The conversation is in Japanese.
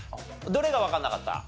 どれがわかんなかった？